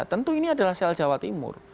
tentu ini adalah sel jawa timur